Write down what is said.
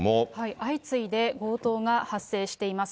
相次いで強盗が発生しています。